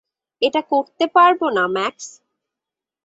এটা করতে পারব না, ম্যাক্স।